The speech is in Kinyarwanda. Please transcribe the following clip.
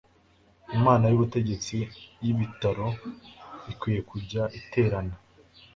inama y' ubutegetsi y'ibitaro ikwiye kujya iterana